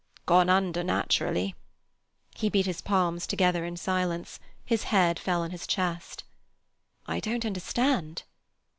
"Gone under naturally." He beat his palms together in silence; his head fell on his chest. "I don't understand."